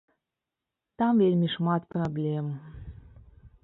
Там вельмі шмат праблем!